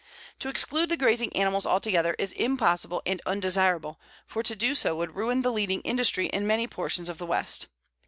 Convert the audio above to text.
To exclude the grazing animals altogether is impossible and undesirable, for to do so would ruin the leading industry in many portions of the West.